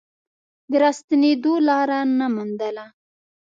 د راستنېدو لاره نه موندله.